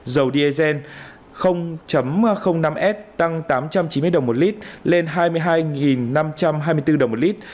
dầu diesel năm s tăng tám trăm chín mươi đồng một lít lên hai mươi hai năm trăm hai mươi bốn đồng một lít